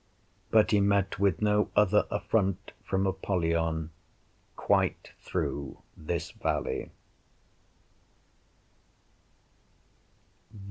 But he met with no other affront from Apollyon quite through this valley.